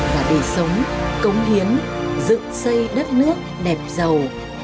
và để sống cống hiến dựng xây đất nước đẹp giàu